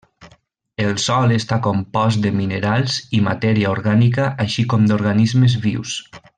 El sòl està compost de minerals i matèria orgànica així com d'organismes vius.